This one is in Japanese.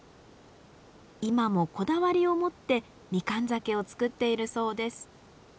今もこだわりを持って蜜柑酒を造っているそうです。